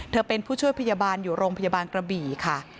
เป็นผู้ช่วยพยาบาลอยู่โรงพยาบาลกระบี่ค่ะ